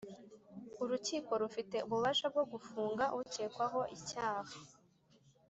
Urukiko rufite ububasha bwogufunga ucyekwaho icyaha